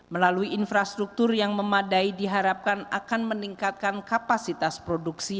melalui infrastruktur yang memadai diharapkan akan meningkatkan kapasitas produksi